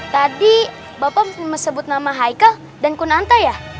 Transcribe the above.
tadi bapak sebut nama haikal dan kunanta ya